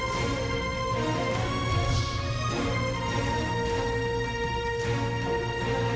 ชูเว็ดตีแสดหน้า